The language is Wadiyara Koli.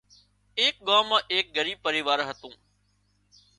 ايڪ ڳام مان ايڪ ڳريب پريوار هتُون